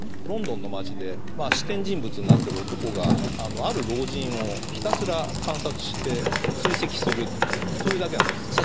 ロンドンの街でまあ視点人物になってる男がある老人をひたすら観察して追跡するというそれだけなんです。